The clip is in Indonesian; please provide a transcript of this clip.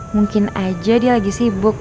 mungkin aja dia lagi sibuk